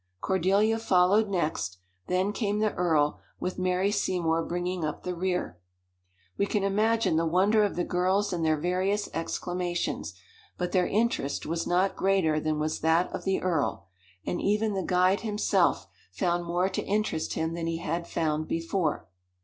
Cordelia followed next, then came the earl, with Mary Seymour bringing up the rear. We can imagine the wonder of the girls and their various exclamations; but their interest was not greater than was that of the earl. And even the guide himself found more to interest him than he had found before.